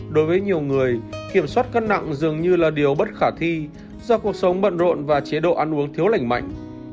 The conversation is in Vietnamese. đối với nhiều người kiểm soát cân nặng dường như là điều bất khả thi do cuộc sống bận rộn và chế độ ăn uống thiếu lành mạnh